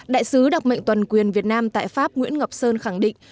đại sứ đặc mệnh toàn quyền việt nam tại pháp nguyễn ngọc sơn khẳng định